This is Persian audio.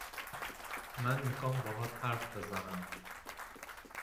من میخوام باهات حرف بزنم